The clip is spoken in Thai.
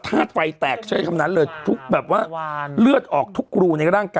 ธาตุไฟแตกใช้คำนั้นเลยทุกแบบว่าเลือดออกทุกรูในร่างกาย